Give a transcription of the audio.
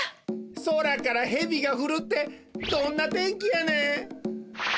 空からヘビがふるってどんな天気やねん！